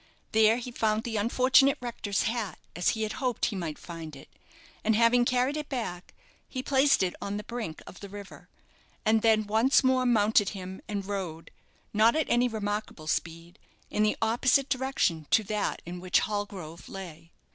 There he found the unfortunate rector's hat, as he had hoped he might find it, and having carried it back, he placed it on the brink of the river, and then once more mounted him, and rode, not at any remarkable speed, in the opposite direction to that in which Hallgrove lay.